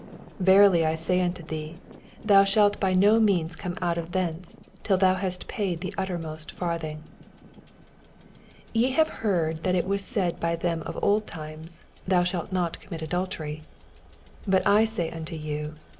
26 Verily I say unto thee. Thou shalt by no means come out thence, till thou hast paid the uttermost f&rthing. 27 Ye have heard that it was said by them of old time, Thou shalt not commit adultery : 28 But I say unto you.